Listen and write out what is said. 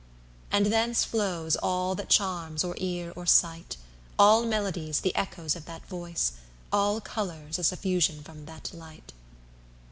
And thence flows all that charms or ear or sight, All melodies the echoes of that voice, All colours a suffusion from that light.